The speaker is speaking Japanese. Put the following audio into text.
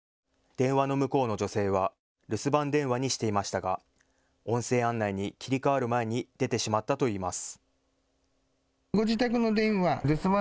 電話の向こうの女性は留守番電話にしていましたが音声案内に切り替わる前に出てしまったといいます。